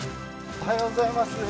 おはようございます。